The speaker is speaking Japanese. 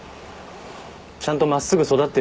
ちゃんと真っすぐ育ってるよ。